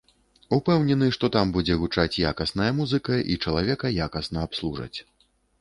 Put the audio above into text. Упэўнены, што там будзе гучаць якасная музыка і чалавека якасна абслужаць.